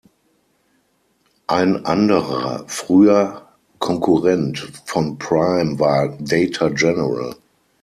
Ein anderer früher Konkurrent von Prime war Data General.